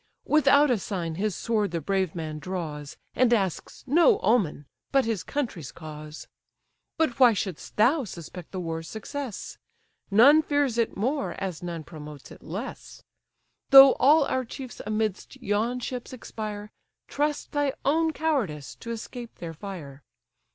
Without a sign his sword the brave man draws, And asks no omen but his country's cause. But why should'st thou suspect the war's success? None fears it more, as none promotes it less: Though all our chiefs amidst yon ships expire, Trust thy own cowardice to escape their fire.